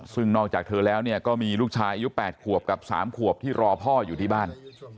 ซึ่งนอกจากเธอแล้วเนี่ยก็มีลูกชายอายุ๘ขวบกับ๓ขวบที่รอพ่ออยู่ที่บ้าน